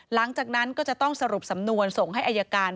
หลังจากนั้นก็จะต้องสรุปสำนวนส่งให้อายการ